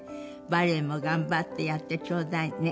「バレエもがんばってやってちょうだいね」